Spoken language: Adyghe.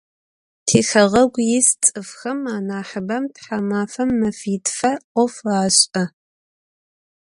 Tixeğegu yis ts'ıfxem anahıbem thamafem mefitfe 'of aş'e.